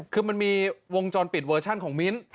คือมันมีวงจรปิดเวอร์ชันของมิ้น